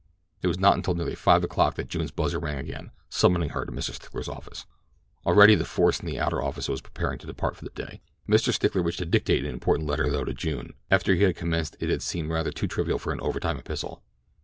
It was not until nearly five o'clock that June's buzzer rang again, summoning her to Mr. Stickler's office. Already the force in the outer office was preparing to depart for the day. Mr. Stickler wished to dictate an "important letter," though to June, after he had commenced it it seemed rather too trivial for an overtime epistle.